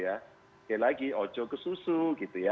sekali lagi ojo ke susu gitu ya